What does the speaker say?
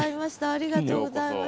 ありがとうございます。